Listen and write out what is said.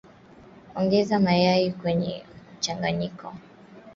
Ongeza mayai kwenye mchanganyiko